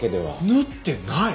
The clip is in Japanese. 縫ってない？